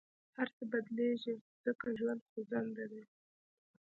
هر څه بدلېږي، ځکه ژوند خوځنده دی.